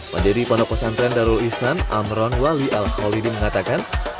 wadiri pondok pesantren darul ihsan amron wali al khawli dikatakan